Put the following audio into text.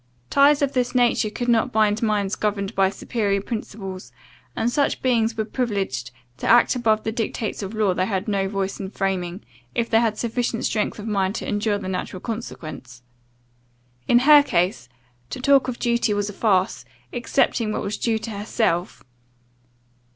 Ties of this nature could not bind minds governed by superior principles; and such beings were privileged to act above the dictates of laws they had no voice in framing, if they had sufficient strength of mind to endure the natural consequence. In her case, to talk of duty, was a farce, excepting what was due to herself.